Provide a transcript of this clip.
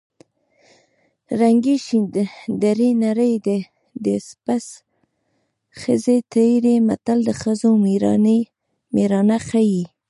ړنګې شې درې نر دې پڅ ښځې تېرې متل د ښځو مېړانه ښيي